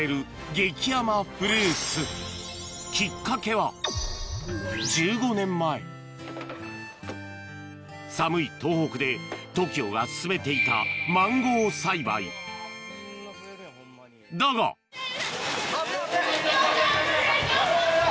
激甘フルーツきっかけは１５年前寒い東北でＴＯＫＩＯが進めていただが・危ない危ない！